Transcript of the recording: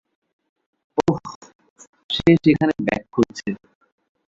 ওহ, সে সেখানে ব্যাগ খুলছে।